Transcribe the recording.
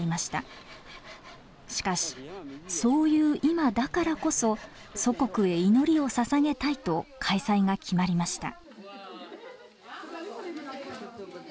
しかし「そういう今だからこそ祖国へ祈りをささげたい」と開催が決まりました。